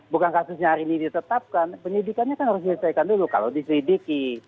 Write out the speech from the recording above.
bukan kasusnya hari ini ditetapkan penyidikannya kan harus diselesaikan dulu kalau diselidiki